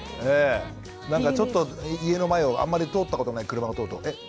なんかちょっと家の前をあんまり通ったことない車が通るとえっ